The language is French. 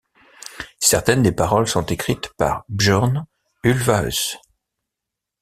Certaines des paroles sont écrites par Björn Ulvaeus.